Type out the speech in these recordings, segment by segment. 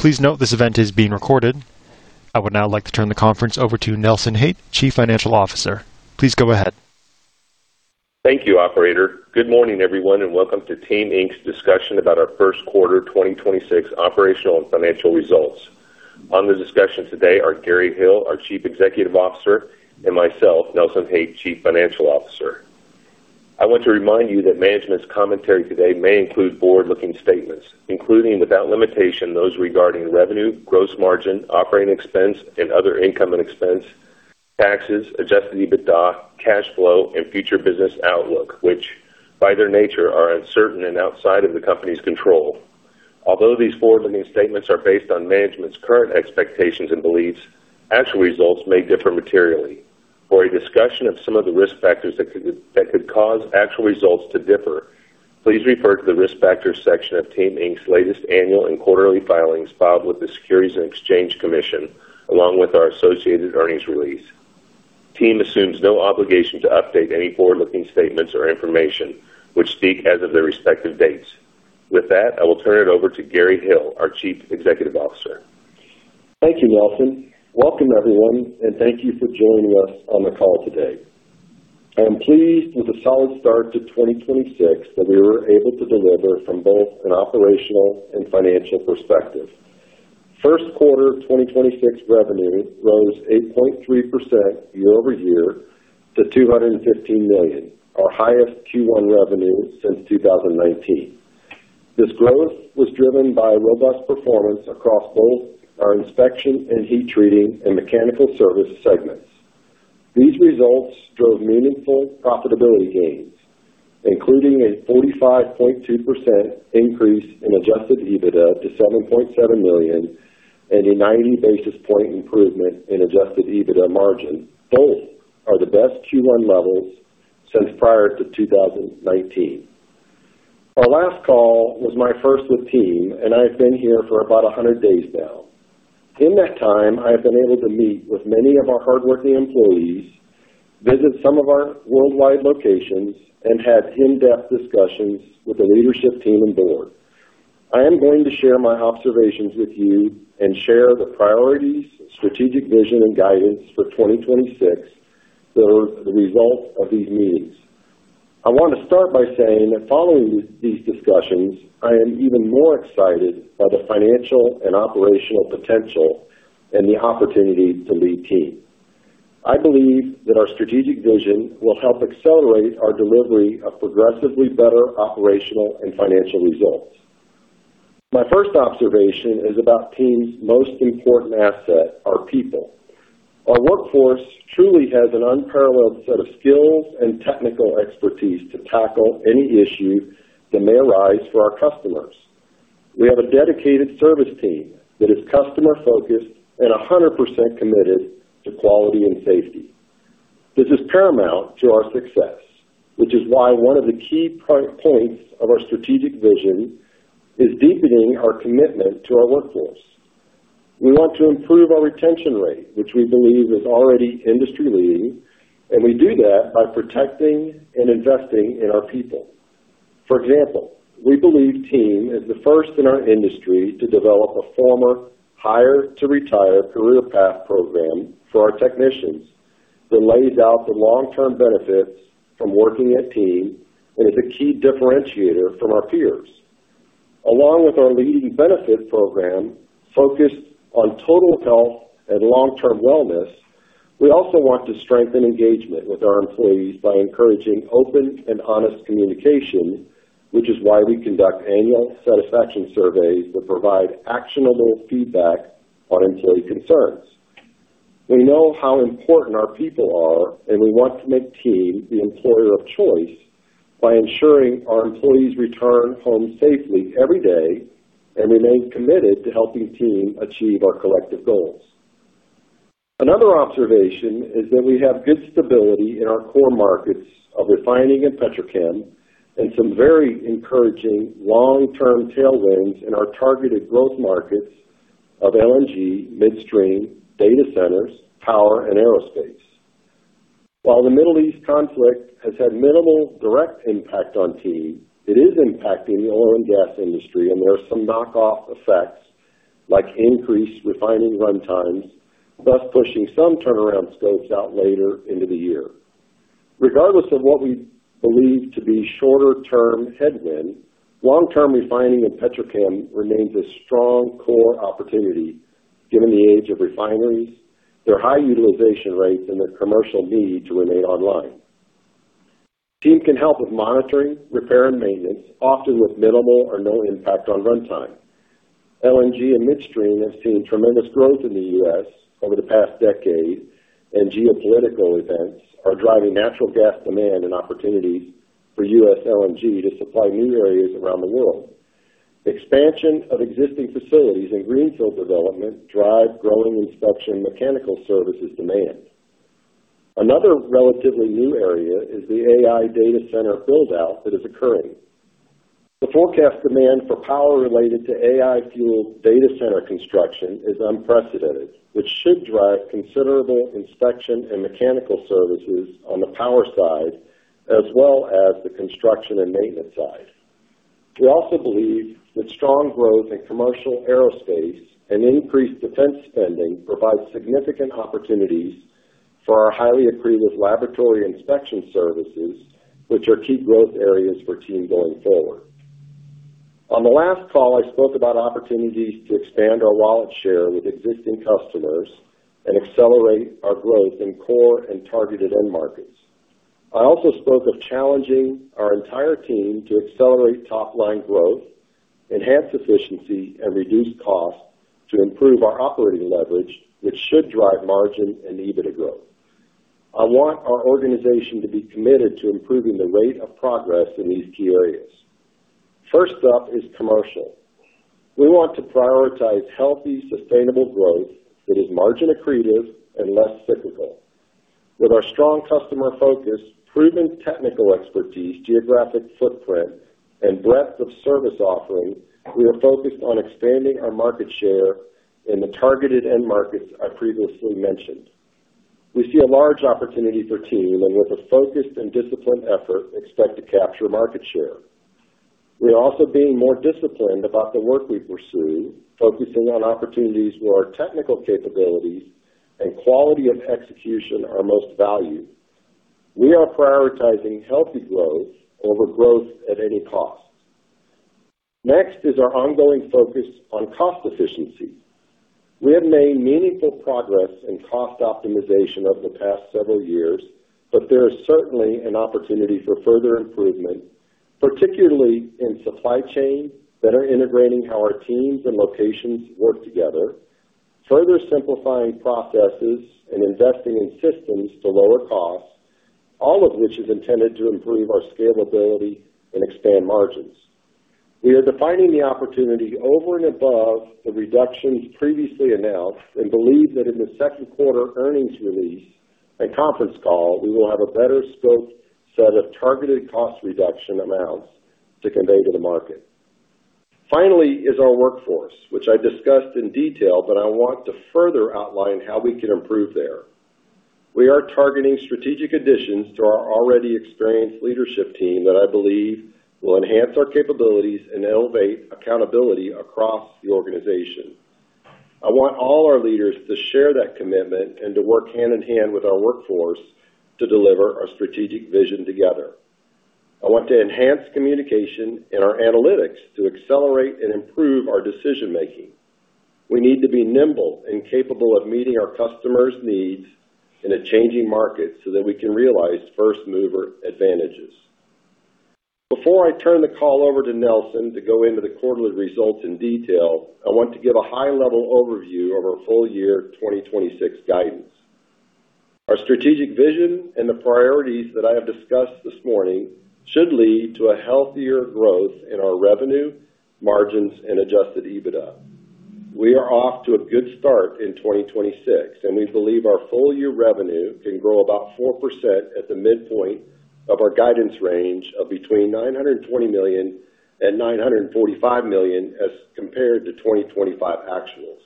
Please note this event is being recorded. I would now like to turn the conference over to Nelson Haight, Chief Financial Officer. Please go ahead. Thank you, operator. Good morning, everyone, and welcome to TEAM, Inc.'s discussion about our first quarter 2026 operational and financial results. On the discussion today are Gary Hill, our Chief Executive Officer, and myself, Nelson Haight, Chief Financial Officer. I want to remind you that management's commentary today may include forward-looking statements, including without limitation those regarding revenue, gross margin, operating expense and other income and expense, taxes, Adjusted EBITDA, cash flow and future business outlook, which by their nature are uncertain and outside of the company's control. Although these forward-looking statements are based on management's current expectations and beliefs, actual results may differ materially. For a discussion of some of the risk factors that could cause actual results to differ, please refer to the Risk Factors section of TEAM, Inc.'s latest annual and quarterly filings filed with the Securities and Exchange Commission, along with our associated earnings release. TEAM assumes no obligation to update any forward-looking statements or information, which speak as of their respective dates. With that, I will turn it over to Gary Hill, our Chief Executive Officer. Thank you, Nelson. Welcome, everyone, and thank you for joining us on the call today. I am pleased with the solid start to 2026 that we were able to deliver from both an operational and financial perspective. First quarter 2026 revenue rose 8.3% year-over-year to $215 million, our highest Q1 revenue since 2019. These results drove meaningful profitability gains, including a 45.2% increase in Adjusted EBITDA to $7.7 million and a 90 basis point improvement in Adjusted EBITDA margin. Both are the best Q1 levels since prior to 2019. Our last call was my first with TEAM, and I've been here for about 100 days now. In that time, I've been able to meet with many of our hardworking employees, visit some of our worldwide locations, and had in-depth discussions with the leadership team and board. I am going to share my observations with you and share the priorities, strategic vision, and guidance for 2026 that are the result of these meetings. I want to start by saying that following these discussions, I am even more excited by the financial and operational potential and the opportunity to lead TEAM. I believe that our strategic vision will help accelerate our delivery of progressively better operational and financial results. My first observation is about TEAM's most important asset, our people. Our workforce truly has an unparalleled set of skills and technical expertise to tackle any issue that may arise for our customers. We have a dedicated service team that is customer focused and 100% committed to quality and safety. This is paramount to our success, which is why one of the key points of our strategic vision is deepening our commitment to our workforce. We want to improve our retention rate, which we believe is already industry leading, and we do that by protecting and investing in our people. For example, we believe TEAM is the first in our industry to develop a formal hire to retire career path program for our technicians that lays out the long-term benefits from working at TEAM and is a key differentiator from our peers. Along with our leading benefit program focused on total health and long-term wellness, we also want to strengthen engagement with our employees by encouraging open and honest communication, which is why we conduct annual satisfaction surveys that provide actionable feedback on employee concerns. We know how important our people are, and we want to make TEAM the employer of choice by ensuring our employees return home safely every day and remain committed to helping TEAM achieve our collective goals. Another observation is that we have good stability in our core markets of refining and petrochem and some very encouraging long-term tailwinds in our targeted growth markets of LNG, midstream, data centers, power, and aerospace. While the Middle East conflict has had minimal direct impact on TEAM, it is impacting the oil and gas industry, and there are some knock-on effect like increased refining runtimes, thus pushing some turnaround scopes out later into the year. Regardless of what we believe to be shorter-term headwind, long-term refining and petrochem remains a strong core opportunity given the age of refineries, their high utilization rates, and their commercial need to remain online. TEAM can help with monitoring, repair and maintenance, often with minimal or no impact on runtime. LNG and midstream have seen tremendous growth in the U.S. over the past decade, and geopolitical events are driving natural gas demand and opportunities for U.S. LNG to supply new areas around the world. Expansion of existing facilities and greenfield development drive growing inspection mechanical services demand. Another relatively new area is the AI data center build-out that is occurring. The forecast demand for power related to AI-fueled data center construction is unprecedented, which should drive considerable inspection and mechanical services on the power side as well as the construction and maintenance side. We also believe that strong growth in commercial aerospace and increased defense spending provides significant opportunities for our highly accredited laboratory inspection services, which are key growth areas for TEAM going forward. On the last call, I spoke about opportunities to expand our wallet share with existing customers and accelerate our growth in core and targeted end markets. I also spoke of challenging our entire team to accelerate top line growth, enhance efficiency, and reduce costs to improve our operating leverage, which should drive margin and EBITDA growth. I want our organization to be committed to improving the rate of progress in these key areas. First up is commercial. We want to prioritize healthy, sustainable growth that is margin accretive and less cyclical. With our strong customer focus, proven technical expertise, geographic footprint, and breadth of service offerings, we are focused on expanding our market share in the targeted end markets I previously mentioned. We see a large opportunity for TEAM and with a focused and disciplined effort expect to capture market share. We are also being more disciplined about the work we pursue, focusing on opportunities where our technical capabilities and quality of execution are most valued. We are prioritizing healthy growth over growth at any cost. Next is our ongoing focus on cost efficiency. We have made meaningful progress in cost optimization over the past several years, but there is certainly an opportunity for further improvement, particularly in supply chain, better integrating how our teams and locations work together, further simplifying processes and investing in systems to lower costs, all of which is intended to improve our scalability and expand margins. We are defining the opportunity over and above the reductions previously announced, and believe that in the second quarter earnings release and conference call, we will have a better scope set of targeted cost reduction amounts to convey to the market. Finally is our workforce, which I discussed in detail, but I want to further outline how we can improve there. We are targeting strategic additions to our already experienced leadership team that I believe will enhance our capabilities and elevate accountability across the organization. I want all our leaders to share that commitment and to work hand in hand with our workforce to deliver our strategic vision together. I want to enhance communication and our analytics to accelerate and improve our decision making. We need to be nimble and capable of meeting our customers' needs in a changing market so that we can realize first mover advantages. Before I turn the call over to Nelson to go into the quarterly results in detail, I want to give a high-level overview of our full year 2026 guidance. Our strategic vision and the priorities that I have discussed this morning should lead to a healthier growth in our revenue, margins, and Adjusted EBITDA. We are off to a good start in 2026, and we believe our full year revenue can grow about 4% at the midpoint of our guidance range of between $920 million and $945 million as compared to 2025 actuals.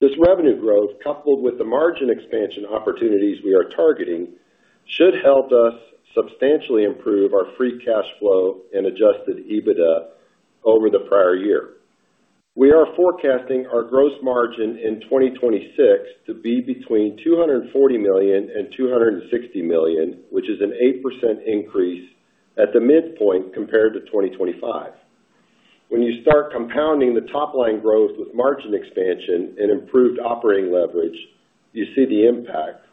This revenue growth, coupled with the margin expansion opportunities we are targeting, should help us substantially improve our free cash flow and Adjusted EBITDA over the prior year. We are forecasting our gross margin in 2026 to be between $240 million and $260 million, which is an 8% increase at the midpoint compared to 2025. When you start compounding the top line growth with margin expansion and improved operating leverage, you see the impact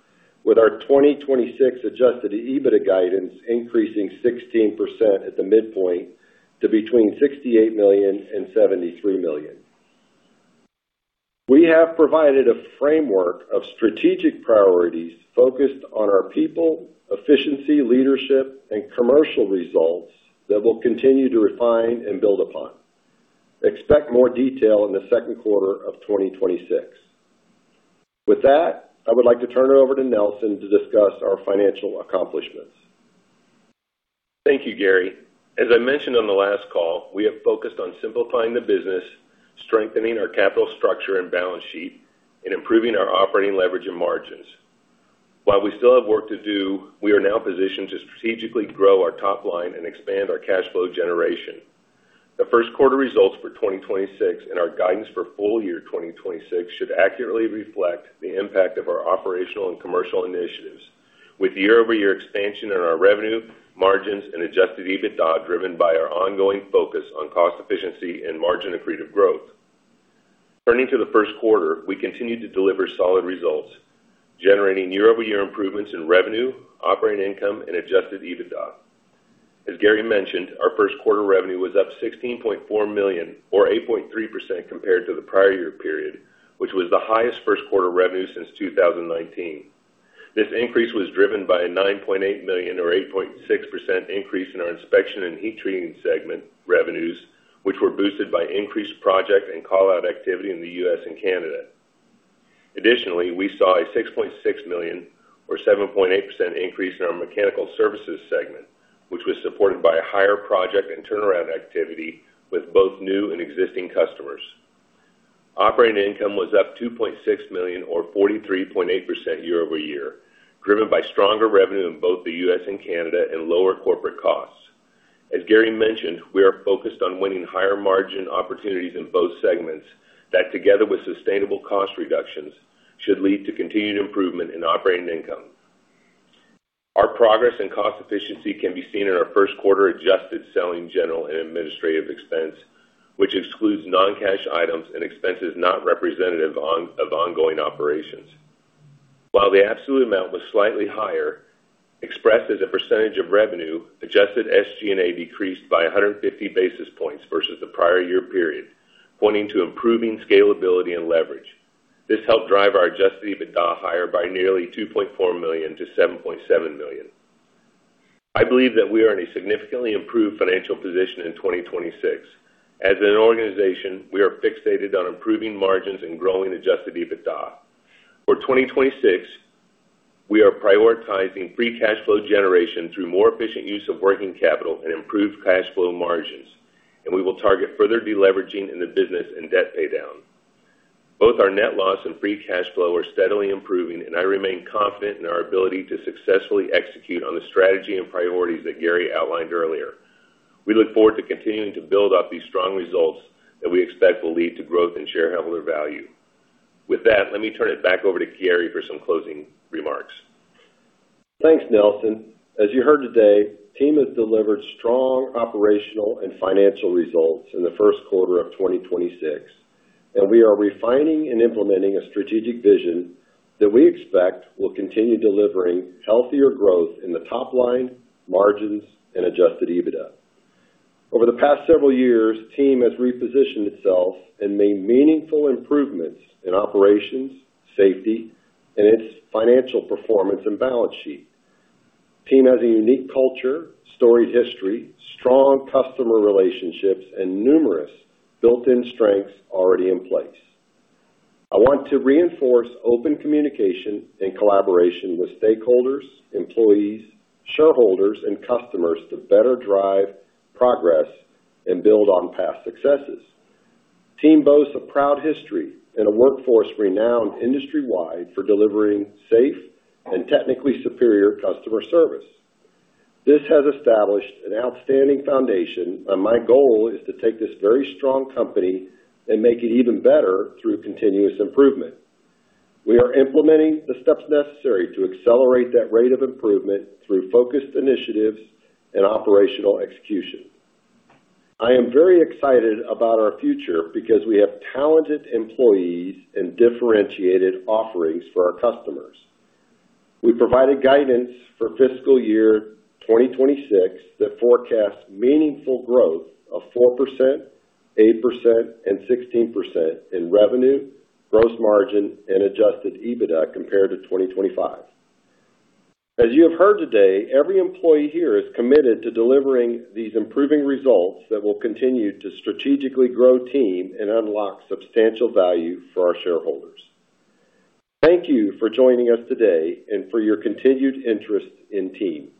with our 2026 Adjusted EBITDA guidance increasing 16% at the midpoint to between $68 million and $73 million. We have provided a framework of strategic priorities focused on our people, efficiency, leadership, and commercial results that we'll continue to refine and build upon. Expect more detail in the second quarter of 2026. With that, I would like to turn it over to Nelson to discuss our financial accomplishments. Thank you, Gary. As I mentioned on the last call, we have focused on simplifying the business, strengthening our capital structure and balance sheet, and improving our operating leverage and margins. While we still have work to do, we are now positioned to strategically grow our top line and expand our cash flow generation. The first quarter results for 2026 and our guidance for full year 2026 should accurately reflect the impact of our operational and commercial initiatives with year-over-year expansion in our revenue, margins, and Adjusted EBITDA driven by our ongoing focus on cost efficiency and margin accretive growth. Turning to the first quarter, we continued to deliver solid results, generating year-over-year improvements in revenue, operating income, and Adjusted EBITDA. As Gary mentioned, our first quarter revenue was up $16.4 million or 8.3% compared to the prior year period, which was the highest first quarter revenue since 2019. This increase was driven by a $9.8 million or 8.6% increase in our Inspection and Heat Treating segment revenues, which were boosted by increased project and call out activity in the U.S. and Canada. Additionally, we saw a $6.6 million or 7.8% increase in our Mechanical Services segment, which was supported by a higher project and turnaround activity with both new and existing customers. Operating income was up $2.6 million or 43.8% year-over-year, driven by stronger revenue in both the U.S. and Canada and lower corporate costs. As Gary mentioned, we are focused on winning higher margin opportunities in both segments that together with sustainable cost reductions should lead to continued improvement in operating income. Our progress and cost efficiency can be seen in our first quarter adjusted selling general and administrative expense, which excludes non-cash items and expenses not representative of ongoing operations. While the absolute amount was slightly higher, expressed as a percentage of revenue, Adjusted SG&A decreased by 150 basis points versus the prior year period, pointing to improving scalability and leverage. This helped drive our Adjusted EBITDA higher by nearly $2.4 million-$7.7 million. I believe that we are in a significantly improved financial position in 2026. As an organization, we are fixated on improving margins and growing Adjusted EBITDA. For 2026, we are prioritizing free cash flow generation through more efficient use of working capital and improved cash flow margins. We will target further deleveraging in the business and debt pay down. Both our net loss and free cash flow are steadily improving. I remain confident in our ability to successfully execute on the strategy and priorities that Gary outlined earlier. We look forward to continuing to build up these strong results that we expect will lead to growth and shareholder value. With that, let me turn it back over to Gary for some closing remarks. Thanks, Nelson. As you heard today, TEAM has delivered strong operational and financial results in the first quarter of 2026, and we are refining and implementing a strategic vision that we expect will continue delivering healthier growth in the top line, margins, and Adjusted EBITDA. Over the past several years, TEAM has repositioned itself and made meaningful improvements in operations, safety, and its financial performance and balance sheet. TEAM has a unique culture, storied history, strong customer relationships, and numerous built-in strengths already in place. I want to reinforce open communication and collaboration with stakeholders, employees, shareholders, and customers to better drive progress and build on past successes. TEAM boasts a proud history and a workforce renowned industry-wide for delivering safe and technically superior customer service. This has established an outstanding foundation, and my goal is to take this very strong company and make it even better through continuous improvement. We are implementing the steps necessary to accelerate that rate of improvement through focused initiatives and operational execution. I am very excited about our future because we have talented employees and differentiated offerings for our customers. We provided guidance for fiscal year 2026 that forecasts meaningful growth of 4%, 8%, and 16% in revenue, gross margin, and Adjusted EBITDA compared to 2025. As you have heard today, every employee here is committed to delivering these improving results that will continue to strategically grow TEAM and unlock substantial value for our shareholders. Thank you for joining us today and for your continued interest in TEAM.